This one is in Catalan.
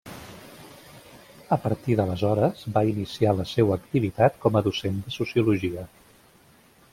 A partir d'aleshores, va iniciar la seua activitat com a docent de Sociologia.